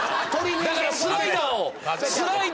だからスライダーを。